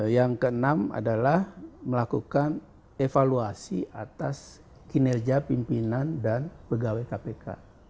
yang keenam adalah melakukan evaluasi atas kinerja pimpinan dan pegawai kpk